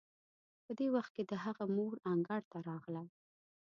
په دې وخت کې د هغه مور انګړ ته راغله.